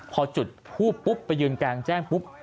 พอจุดหู้ปุ๊บไปยืนกลางแจ้ง